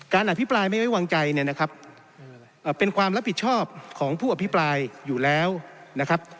อภิปรายไม่ไว้วางใจเนี่ยนะครับเป็นความรับผิดชอบของผู้อภิปรายอยู่แล้วนะครับ